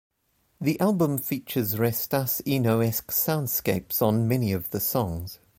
The album features Restas' Enoesque soundscapes on many of the songs.